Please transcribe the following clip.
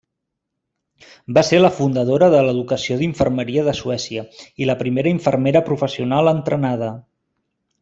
Va ser la fundadora de l'educació d'infermeria de Suècia i la primera infermera professional entrenada.